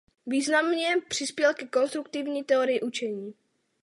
Významně přispěl ke konstruktivní teorii učení.